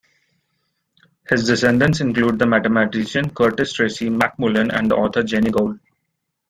His descendants include the mathematician Curtis Tracy McMullen and the author Jeanie Gould.